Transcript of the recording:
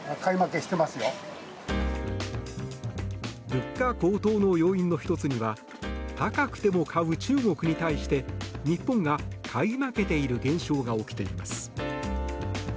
物価高騰の要因の１つには高くても買う中国に対して日本が買い負けている現象が起きています。